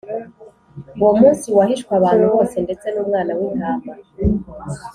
uwo munsi wahishwe abantu bose ndetse numwana w’intama